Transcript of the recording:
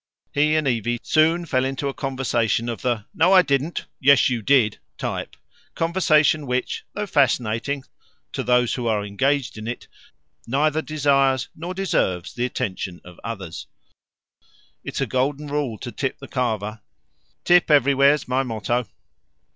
He and Evie soon fell into a conversation of the "No, I didn't; yes, you did" type conversation which, though fascinating to those who are engaged in it, neither desires nor deserves the attention of others. "It's a golden rule to tip the carver. Tip everywhere's my motto."